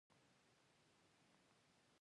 اوس به دي خوښ سم